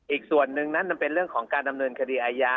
อีกส่วนหนึ่งนั้นเป็นเรื่องของการดำเนินคดีอาญา